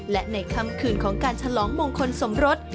และในค่ำคืนของการฉลองมงคลสมรส